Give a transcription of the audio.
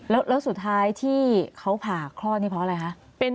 แล้วสุดท้ายที่เขาผ่าคลอดนี่เพราะอะไรคะ